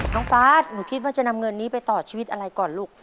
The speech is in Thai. ฟ้าหนูคิดว่าจะนำเงินนี้ไปต่อชีวิตอะไรก่อนลูก